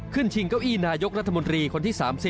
ชิงเก้าอี้นายกรัฐมนตรีคนที่๓๐